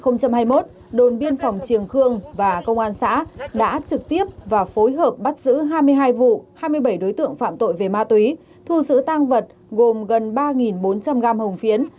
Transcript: năm hai nghìn hai mươi một đồn biên phòng triềng khương và công an xã đã trực tiếp và phối hợp bắt giữ hai mươi hai vụ hai mươi bảy đối tượng phạm tội về ma túy thu giữ tăng vật gồm gần ba bốn trăm linh g hồng phiến